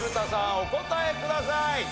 お答えください。